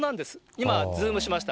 今、ズームしました。